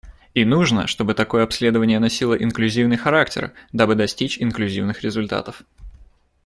И нужно, чтобы такое обследование носило инклюзивный характер, дабы достичь инклюзивных результатов.